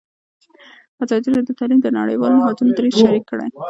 ازادي راډیو د تعلیم د نړیوالو نهادونو دریځ شریک کړی.